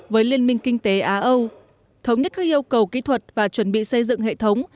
với liên minh kinh tế á âu thống nhất các yêu cầu kỹ thuật và chuẩn bị xây dựng hệ thống